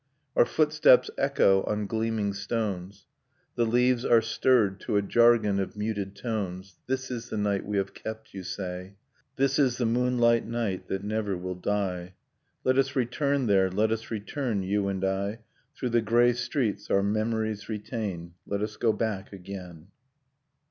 .. Our footsteps echo on gleaming stones, The leaves are stirred to a jargon of muted tones This is the night we have kept, you say : This is the moonlight night that never will die. .. Let us return there, let us return, you and I, — Through the grey streets our memories retain Let us go back again.